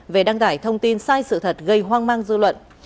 về đăng tải thông tin sai sự thật gây hoang mang dư luận